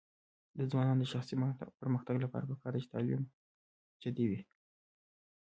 د ځوانانو د شخصي پرمختګ لپاره پکار ده چې تعلیم ته جدي وي.